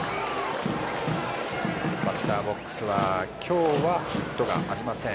バッターボックスは今日はヒットがありません